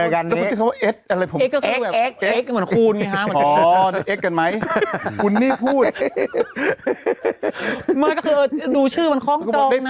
ก็คือดูชื่อของตอบนะ